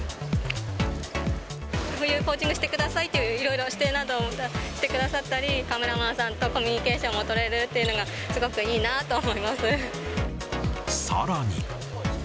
こういうポージングしてくださいという、いろいろ指定などもしてくださったり、カメラマンさんとコミュニケーションを取れるというのが、すごくさらに。